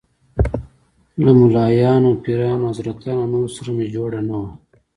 له ملايانو، پیرانو، حضرتانو او نورو سره مې جوړه نه وه.